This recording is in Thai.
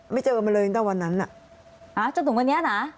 เจอมันเลยตั้งแต่วันนั้นอ่ะจนถึงวันนี้นะ